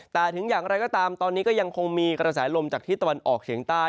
แต่ถึงอย่างไรก็ตามตอนนี้ก็ยังคงมีกระแสลมจากที่ตะวันออกเฉียงใต้